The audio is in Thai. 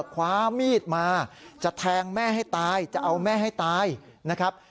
คว้ามีดมาจะแทงแม่ให้ตายจะเอาแม่ให้ตายนะครับ